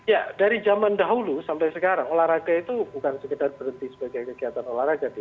ya dari zaman dahulu sampai sekarang olahraga itu bukan sekedar berhenti sebagai kegiatan olahraga